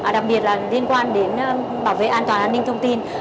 đặc biệt là liên quan đến bảo vệ an toàn an ninh thông tin